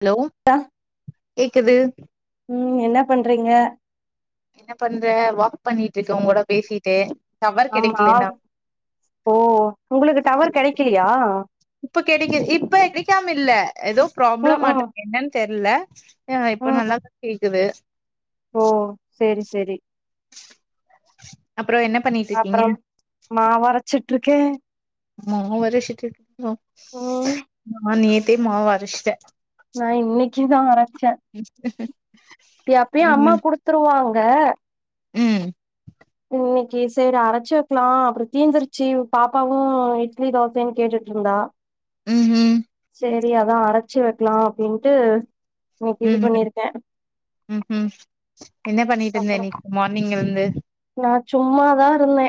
Hello கேக்குது ம் என்ன பண்றீங்க என்ன பண்ற வாக் பண்ணிட்டு இருக்கே உங்களோட பேசிட்டே ஆமா ஓ உங்களுக்கு டவர் கெடைக்கலியா இப்ப கெடைக்குது இப்ப கெடைக்காம இல்ல ஏதோ ம் பிராப்ளம் ம் மாட்டுக்கு என்னன்னு தெர்ல ஏங்க இப்ப ம் ம் நல்லா தா கேக்குது ஓ செரி செரி அப்பறோ என்ன பண்ணிட்டு இருக்கீங்க மாவரச்சிட்டுருக்கே மாவரச்சிட்டு இருக்கிங்களோ ம் நா நேத்தே மாவு அரச்சிட்டே நா இன்னைக்கி தா அரச்சே எப்பயு அம்மா ம் குடுத்துருவாங்க ம் இன்னைக்கு சேரி அரைச்சு வெக்லா அப்பறோ தீந்திருச்சு பாப்பாவு இட்லி தோசன்னு கேட்டுட்டு ருந்தா ம்ஹும் சேரி அதா அரச்சு வெக்லா அப்டின்ட்டு இன்னைக்கு இது ம் ம் பண்ணிருக்கே உஹும் என்ன பண்ணிட்டு இருந்த அப்புறோ இன்னைக்கு மார்னிங்ல இருந்து நா சும்மாதா இருந்தே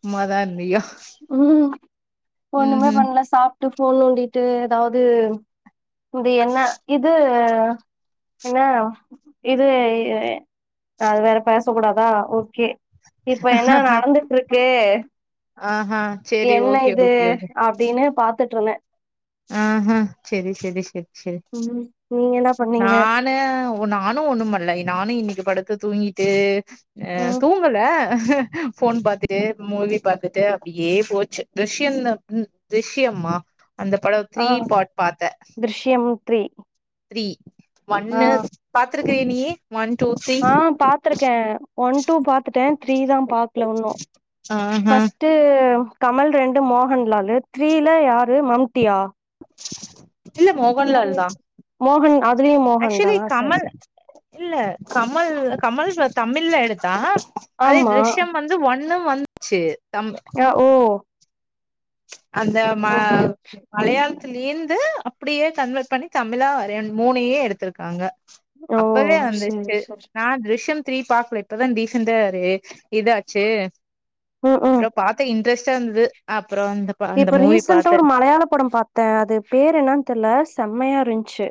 சும்மா தா இருந்தியா ம் ம் ஒண்ணுமே ம் பண்ணல சாப்புட்டு ஃபோன் நோண்டிட்டு ஏதாவது இது என்ன இது என்னா இது அது வேற பேச கூடாதா ஓகே இப்ப என்ன நடந்துட்டு இருக்கு ஆஹன் என்ன இது அப்டின்னு பாத்துட்டு இருந்தே ஆஹ்ன் செரி செரி செரி செரி ம் நீங்க என்ன பண்ணீங்க நான் நானு நானு ஒண்ணு பண்ணல நானு இன்னைக்கு படுத்து தூங்கிட்டு ஆஹ் ம் தூங்கல ஃபோன் பாத்துட்டு மூவி பாத்துட்டு அப்படியே போச்சு ரிஷ்ய திர்ஷயம்மா அந்த படம் த்ரீ பாட் பார்த்தே திர்ஷியம் த்ரீ த்ரீ ஆ ஒன்னு பாத்துருக்கிரியா நீ ஒன் டூ த்ரீ ஆஹ் பாத்துருக்கே ஒன் டூ பாத்துட்டே த்ரீ தா பாக்கல ஒன்னு ஆஹா ஃபஸ்ட்டு கமல் ரெண்டு மோகன்லாலு த்ரீல யார் மம்டியா இல்ல பாத்த மாதிரி மோகன்லால் தா இருக்கு மோகன் அதுலயும் மோகன் ஆக்சுவலி தானா சரி கமல் சரி இல்ல கமல் கமல் சார் தமிழ்ல எடுத்தா அதே ஆமா திர்ஷயம் வந்து இது ஒண்ணும் வந்துச்சு தம் ஆஹ் ஓ அந்த ம ஓகே ஓகே மலையாள லேந்து அப்டியே கன்வெர்ட் பண்ணி தமிழா வரைய மூணயே எடுத்திருக்காங்க ஓ அப்வே சரி வந்துருச்சு சரி நா திர்ஷய திரீ பார்கக்கல ரீசண்டா இதாச்சு ம் ம் அப்றோ பாத்தே இன்ட்ரெஸ்டா இருந்தது அப் இப்ப ரீசெண்டா ஒரு மலையாள படம் பாத் ந்தே அது பேரு என்னு தெரியல செம்மையா இருந்துச்சு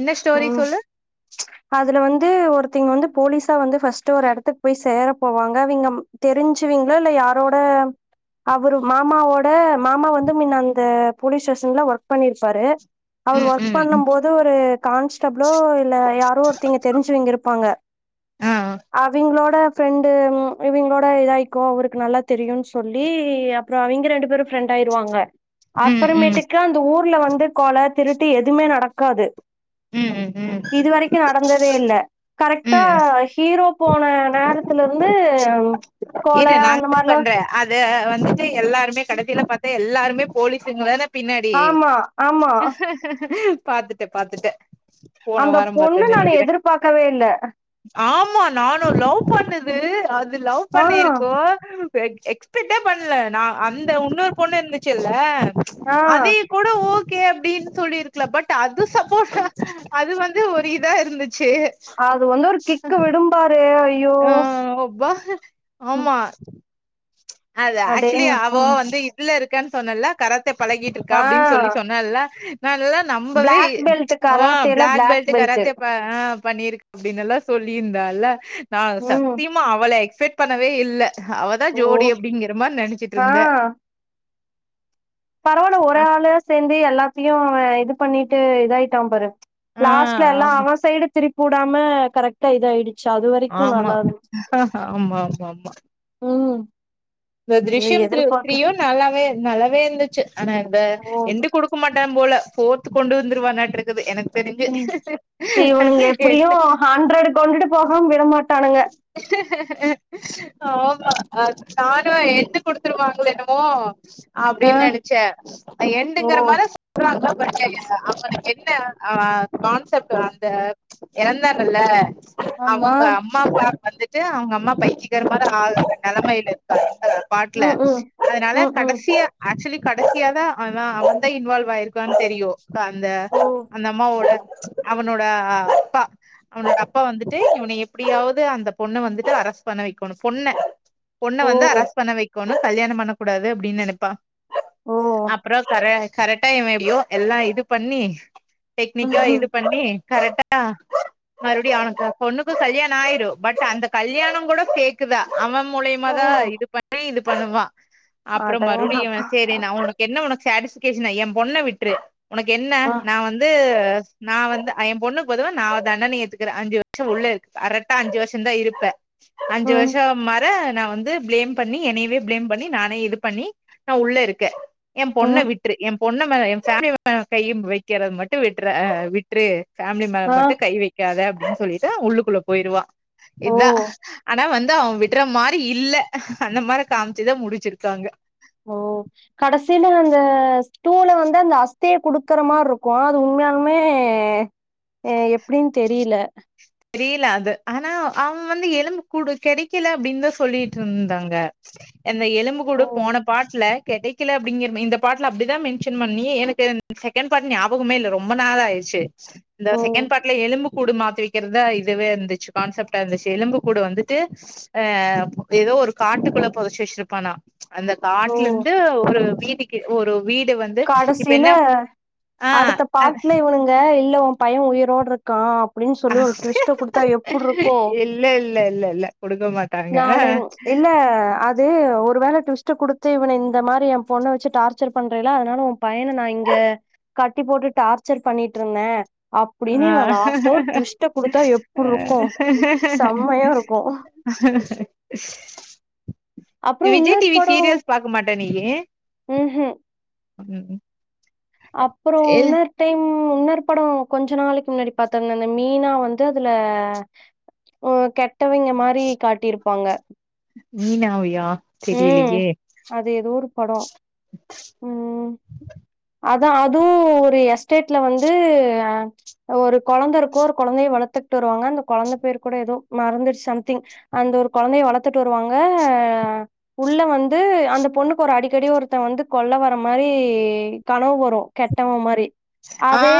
என்ன ஸ்டோரி ம் [unintelligible] அதுல வந்து ஒருத்திங்க வந்து போலீஸா வந்து ஃபர்ஸ்ட் ஒரு இடத்துக்கு போய் சேர போவாங்க அவிங்க தெரிஞ்சுவீங்களா இல்ல யாரோட அவரு மா அம்மாவோட மாமா வந்து முன்ன அந்த போலீஸ் ஸ்டேஷன்ல ஒர்க் பண்ணிருப்பாரு அவர் ம் ஒர்க் ம் பண்ணு ம் போது ஒரு கான்ஸ்டபிளோ இல்ல யாரோ ஒருத்திங்க தெரிஞ்சுவங்க இருப்பாங்க ஆஆ அவங்களோட ஃபிரெண்டு இவங்களோட இதாயிக்கோ அவருக்கு நல்லா தெரியும்ன்னு சொல்லி அப் அப்பறஅவங்க ரெண்டு பேரு ஃப்ரெண்ட் ஆயிருவாங்க ம் ம் அப்புறமேட்டு அந்த ஊர்ல வந்து கொலை திருட்டு எதுவுமே நடக்காது ம் ம் ம் இதுவரைக்கு துவரை நடந்ததே இல் கரெக்டா ம் ஹீரோ போன நேரத்துல இருந்து கிட் இது நாங்க விஷ் பண்றே அது வந்துட்டு எல்லாருமே கடைசில பாத்து எல்லாருமே போலீஸ்ங்க தானே பின்னாடி ஆமா ஆமா பாத்துட்டே பாத்துட்டே போன அந்த வாரம் பொண்ணு பாத்தே நானு நினைக்கிறே எதிர்பார்க்கவே இல்ல ஆமா நானு லவ் பண்ணுது அது லவ் ஆ பண்ணிருக்கு எக்ஸ்பெக்ட பண்ணல நா அந்த இன்னொரு பொண்ணு இருந்துச்சுல்ல ஆ அதே கூட ஓ ஓகே அப்படின்னு சொல்லிருக்கல பட் அது சப்போர்ட் அது வந்து ஒரு இதா இருந்துச்சு அது வந்து ஒரு கிக்கு விடும்பாரு ஐயோ ஆமப்பா ம் ஆமா அது ஆக்சுவலி அவ அடேங்கப்பா வந்து உள்ள இருக்கன் சொன்னன்ல்ல கராத்தே பழகிட்டு இருக்கா ஆ அப்டின் சொல்லி சொன்னன்ல்ல நால்லா நம்பவே பிளாக் பெல்ட் ஓ கராத்தேல பிளாக் பெல்ட் கராத்தே இப்ப ஆ பண்ணிருக்க அப்படின்னு எல்லாம் சொல்லியிருந்தால்ல நா ம் சத்தியம் மா அவள எக்ஸ்பெக்ட் பண்ணவே இல்ல அவாதா ஓ ஜோடி அப்படிங்கிற மாரி நெனச்சிட்டு இருந்த பரவாயில்ல ஒரு ஆ ஆளா சேந்து எல்லாத்தையும் இது பண்ணிட்டு இதாயிட்டான் பாரு லாஸ்ட்ல எல்லாம் ஆமா அவன் சைடு திருப்பி வுடாம கரெக்ட்டா இதாயிடுச்சு அது வரைக்கு ஆமா நல்லா இருந்துச்சு ஆமா ஆமா ஆமா ம் இந்த இவ த்ரிஷயம் த்ரீ எதிர்பாக்க த்ரீயும் நல்லாவே நல்லாவே இருந்துச்சு ஆனா இந்த ஓ எண்டு குடுக் குடுக்கமாட்டான் போல ஃபோர்து கொண்டு வந்துருவானாட்டு இருக்குது எனக்கு ம் இவனுங்க தெரிஞ்சு எப்படியும் ஹண்ட்ரடு கொண்டுட்டு போகாம விடமாட்டானுங்க [unintelligible] ஆமா அது தானா என்ட் குடுத்துருவாங்களோ என்னமோ ஆ அப்டின் நெனைச்ச ஓ எண்டுங்குற மார அவுங்களுக்கு என்ன அ கான்செப்ட் அந்த எறந்தாங்கல்ல ஆமா அவுங்க அம்மா அப்பா வந்துட்டு அவுங்க அம்மா அப்பா இட்லி கடை போட்ற நிலைமையில இருக்காங்க பாட்டுல ம் ம் அதனால ம் ம் கடைசியா ஆக்சுவலி கடைசியாதான் ஆனா அவன் தான் இன்வால்வ் ஆயிருக்கான்னு தெரியும் காந்த ஓ அந்த அம்மாவோட அவனோட அப்பா அவனோட அப்பா வந்துட்டு இவன எப்படியாவது அந்த பொண்ண வந்துட்டு அரசு பண்ண வைக்கணும் பொண்ண பொண்ண ஓ வந்து அரஸ் பண்ண வைக்கணும் கல்யாணம் பண்ணக் கூடாது அப்படின்னு நெனைப்பா ஓ அப்புறம் கர கரெக்டா இவன் எப்படியோ எல்லாம் இது பண்ணி டெக்னிக்கா இது பண்ணி கரெக்டா மறுபடியும் அவனுக்கு பொண்ணுக்கு கல்யாண ணம் ஆயிரும் பட் அந்த கல்யாணம் கூட ஃபேக்குதா அவன் மூலியமா ஓ தான் இது பண் ணி இது பண்ணுவா அப்புறம் மறுபடியும் அடேங்கப்பா சேரி நா உனக்கு என்ன உனக்கு சாட்டிஸ்கேஷன் என் பொண்ண விட்ரு உனக்கு என்ன ம் நா வந்து ந்து நா வந்து அ என் பொண்ணுக்கு பதிலா நா அவா தண்டனைய ஏத்துக்குறேன் அஞ்சு வருஷம் உள்ள இரு கரெக்ட்டா அஞ்சு வருஷம் தான் இருப்ப அஞ்சு ம் வருஷம் மாற நா வந்து ஃப்ளேம் பண்ணி என்னயவே ஃபிளேம் பண்ணி நானே இது பண்ணி நா உள்ள இருக்க என் பொண்ண ம் விட்டு விட்ரு என் பொண்ண ம என் ஃபேமிலி மே கைய வைக்கிறது மட்டும் விட்டுற விட்ரு ஃபேமிலி மேல ஆ மட்டும் கை வைக்காத அப்படின்னு சொல்லிட்டு உள்ளுக்குள்ள போயிடுவா இதா ஓ ஆனா வந்து அவன் விட் விட்ற மாரி இல்ல அந்த மாரி காமிச்சுதான் முடிச்சிருக்காங்க கடைசியில அந்த ஸ்டூல வந்து அந்த அஸ்திய குடுக்குற மாரி இருக்கும் அது உண்மையான ளுமே எப்படின் தெரியல தெரியல அது ஆனா அவன் வந்து எலும்பு கூடு கிடைக்கல அப்படின்தான் சொல்லிட்டு இருந்தாங்க அந்த எலும்பு கூடு ஓ போன பாட்ஸ்ல கெடைக் கெடைக்கல அப்படிங்கற இந்த பாட்ல அப்படிதான் மென்ஷன் பண்ணி எனக்கு செகண்ட் பாட் ஞாபகமே இல்ல ரொம்ப நாளாயிச்சு இந்த ஓ செகண்ட் பார்ட்ல எலும்பு கூடு மாதிரி கெடைக்கிறதா இதுவே இருந்துச்சு கான்செப்டா இருந்துச்சு எலும்பு கூடு வந்துட்டு ஆ எதோ ஒரு காட்டுக்குள்ள புதைச்சு வச்சிருப்பானா அந்த ஓ காட்லந்து ஒரு வீடுக்கு ஒரு வீடு வந்து இப்ப கடசில என்ன ஆ அடுத்த பாட்டுல இவனுங்க இல்ல ஒ பையன் உயிரோட க்கான் அப்டின்னு சொல்லி ஒரு ட்விஸ்ட்ட குடுத்தா எப்டி இருக்கும் இல்ல இல்ல இல்ல இல்ல குடுக்க நானுன் மாட்டாங்க. இல்ல அது து ஒரு வேள ட்விஸ்ட்ட குடுத்து இவன இந்த மாரி எ பொண்ண வச்சு டார்ச்சர் பண்ற அதனால உன் பையன நா இங்க கட்டி போட்டு டார்ச்சர் பண்ணிட்டுருந்தே அப்டின்னு இவன் லாஸ்டா ஒரு ட்விஸ்ட்ட குடுத்தா எப்புட்ருக்கு செம்மையா இருக்கு அப்புறம் விஜய் இன்னொரு டிவி படம் சீரியல்ஸ் பாக்க மாட்ட நீயி ம்ஹ்ம். அப்றம் எ ஒன் டைம் இன்னோர்படம் கொஞ்ச நாளைக்கு முன்னாடி பாத்த அந்த மீனா வந்து அதுல ஓ கெட்டவங்க மாரி காட்டிருப்பாங்க மீனாவயா தெரியலயே அது எதோ ஒரு படம் அதா அதுவும் ஒரு எஸ்டேட்ல வந்து ஒரு கொழந்த இருக்கும் ஒரு கொழந்தயை வளத்துக்கிட்டு வருவாங்க அந்த கொழந்த பேர் கூட எதுவும் மறந்துச்சு சம்திங் அந்த ஒரு கொழந்தய வளத்துட்டு வருவாங்க உள்ள வந்து அந்த பொண்ணுக்கு ஒரு அடிக்கடி ஒருத்த வந்து கொல்ல வர மாரி கனவு வரும் கெட்டவ மாரி அதே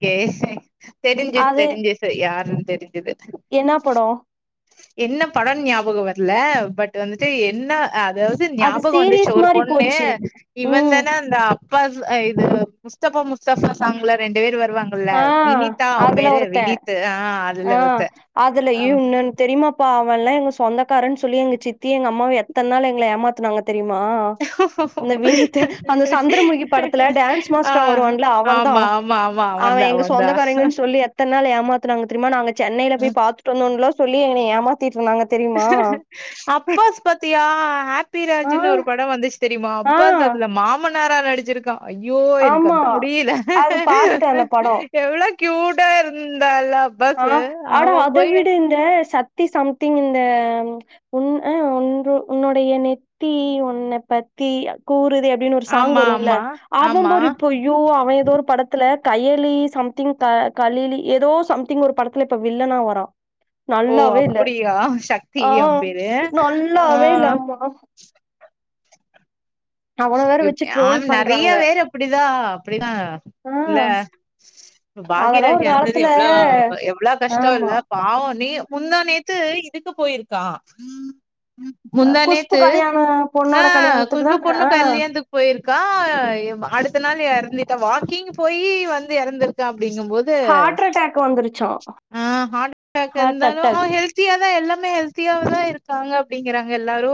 சேர் சேர் தெரிஞ்சு அது தெரிஞ்சு யாருன்னு தெரிஞ்சுது என்னா படம் என்ன படம் ஞாபகம் வரல பட் வந்துட்டு என்ன அதாவது இது அது ஞாபகம் வந்துச்சு சீரீஸ் ஒரு மாரி பொண்ணு போச்சு இவன் ம் தானா இந்த அப்பாஸ் இது முஸ்தபா முஸ்தபா சாங்ல ரெண்டு பேரு வருவாங்க ல்ல ஆ வினிதா அவன் அதுல பேரு ஒருத்த வினித் ஆ ஆ அதுல ஒருத்த அவ அதுலயும் இன் தெரிமாப்பா அவன்ல்லாம் எங்க சொந்தக்காரன்னு சொல்லி எங்க சித்தி எங்க அம்மாவு எத்தன் நாள் எங்கள ஏமாத்துனாங்க தெரிமா அந்த வினித் அந்த சந்திரமுகி படத்துல டான்ஸ் ஆ மாஸ்டரா வருவான்ல அவன்தா ஆமா ஆமா ஆமா அவந்தா அவன் எங்க அவந்தா சொந்தக்காரங்கன்னு சொல்லி எத்தன்நாள் ஏமாத்துனாங்க தெரிமா நாங்க சென்னைல போய் பாத்துட்டு வந்தோன்லா சொல்லி என்ன ஏமாத்திட்டு இருதாங்க அப்பாஸ் பாத்தியா ஆ ஹாப்பிராஜ்னு ஒரு படம் வந்துச்சு தெரிமா ஆ அப்பாஸ் அதுல மாமனாரா நடிச்சுருக்கான் ஐயோ எனக் ஆமா அந்த முடியல அது பாத்துட்ட அந்த படோ எவ்ளோ க்யூட்டா இருந்தாலவ் ஆ அட அத விட இந்த சத்தி சம்திங் இந்த உன் அ உன்று உன்னுடைய நெத்தி உன்ன பத்தி கூறுதே அ ப்டின்னு ஒரு சாங் ஆமா வரும்ல ஆமா ஆமா அவபரு இப்போ யோ அவ ஏதோ ஒரு படத்துல கையலி சம்திங் கலலி ஏதோ சம் த்திங் ஒரு படத்துல இப்ப வில்லனா வரா ஓ நல்லாவே இல்ல அப்படியா சக்தி ஆ அவ பேரு ஆ நல்லாவே இல்ல ஆமா அவன வேற எப் வச்சு ட்ரோல் ஆம் நறைய பண்றாங்க பேரு ரு அப்டிதா அப்டிதா ஆ இல்ல அதெல்லாம் பாகியராஜ் ஒரு எறந்தது காலத்துல எவ்ள எவ்ளோ கஷ்ட இல்ல ஆமா பாவம் நே முந்தா நேத்து இதுக்கு போயிருக்கா குஷ்பு முந்தானேத்து கல்யாண ஆ பொண்ணோட கல்யாணத்துக்கு குஷ்பு தான பொண்ணு ஆ கல்யாண் [unintelligible] போய்ருக்கா இப்ப அடுத்த நாள் எறந்துட்ட வாக்கிங்கு போய் வந்து எறந்திருக்க அப்டிங்கு போ து ஹார்ட் அட்டாக் வந்துருச்சான் ஆ ஹார்ட் அட்டாக் ஹார்ட் இருந்தாலு அவ அட்டாக் ஹெல்த் தியா தா எல்லாமே ஹெல்த்தியா தா இருக்காங்க அப்டிங்கிறாங்க எல்லாரு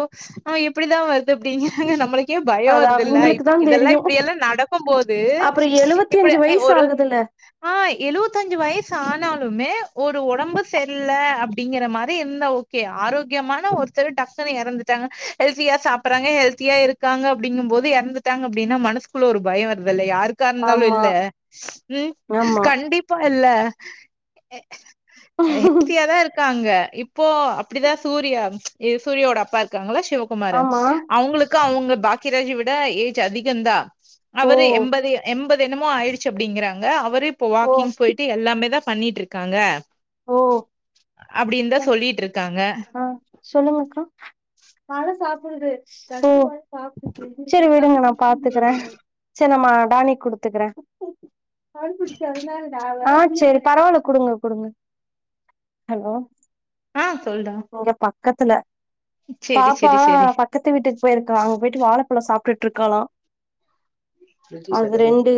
ஆன எப்டிதா வருது அப்டிங்காருங்க நம்மளை க்கே பயோ அது வருதுல்ல அவங்களுக்கு இப்ப தா இதெல்லா தெரியு இப்டியெல்லா நடக்கு போது அப்புறோ எழுவத்தி இப்டி அஞ்சு எ வயசு ஒரு ஆகுதுல்ல ஆ எழுவத்தஞ்சி வய்சு ஆனாலுமே ஒரு ஒடம்பு செரில்ல அப்டிங்கற மாரி இருந்தா ஓகே ஆரோக்கியமான ஒருத்தரு டக்கனு எறந்துட்டாங்க ஹெல்தியா சாப்பறாங்க ஹெல்தியா இருக் காங்க அப்டிங்கு போது எறந்துட்டாங்க அப்டின்னா மனசுக்குள்ள ஒரு பய வருதுல்ல யாருக் க இருந்தாலு ஆமா இல்ல ம் ஆமா கண்டிப்பா இல்ல அ ஹெல்த்தியா தா இருக் காங்க இப்போ அப்டிதா சூர்யா இ சூர்யா ஒட அப்பா இருக்காங்களா சிவ குமாரு ஆமா அவுங்களுக்கு அவுங்க பாக்கியராஜி விட ஏஜ் அதிக தா ஓ அவ்ரு எம்பது எம்பது எனமோ ஆயிடுச்சு அப்டிங்கிறாங்க அவ்ரு இப்போ ஓ வாக்கிங் போய்ட்டு எல்லாமே தா பண்ணிட்ருக்காங்க ஓ அப்டின் தா சொல்லிகிட் இருக்காங்க ஆ சொல்லுங்க அக்கா ஓ செரி விடுங்க நா பாத்துக்கறே செர் நம்ம டானிக் குடுத்துக்கறே ஆ சேரி பரவால்ல குடுங்க குடுங்க ஹலோ அ சொல்டா இங்க பக்கத்துல செரி பாப்பா செரி செரி பக் கத்து வீட்டுக் போய்ருக்கா அங்க போய்ட்டு வாழபழ சாப்டுட் இருக்கலா அது ரெண்டு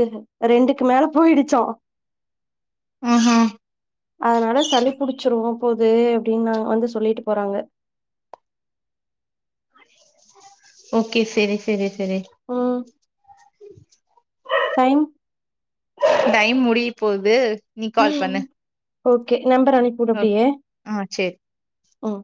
ரெண்டுக்கு மேல போய்ருச்சா ஆஹா அதனால சளி புடிச்சிரும் போது அப்டின்னாங் வந்து சொல்லிட்டு போறாங்க ஓகே செரி செரி செரி ம் டைம் டைம் முடிய போது ம் ஓகே நம்பர் அனுப்புடு ஓகே அப்டியே ஆ செரி ம்